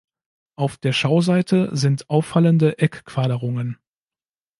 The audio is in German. Auf der Schauseite sind auffallende Eckquaderungen.